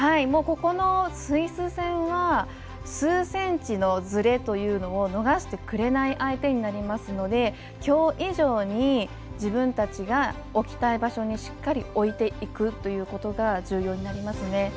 ここのスイス戦は数センチのずれというのを逃してくれない相手になりますのできょう以上に自分たちが置きたい場所にしっかり置いていくっていうことが重要になりますね。